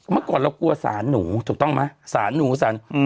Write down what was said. เมื่อก่อนเรากลัวสารหนูถูกต้องไหมสารหนูสาร